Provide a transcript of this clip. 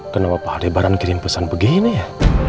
kenapa pak lebaran kirim pesan begini ya